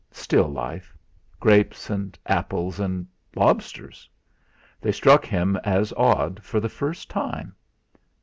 Still life. Grapes and apples, and lobsters! They struck him as odd for the first time.